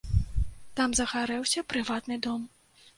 Там загарэўся прыватны дом.